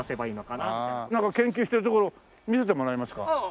なんか研究してるところ見せてもらえますか？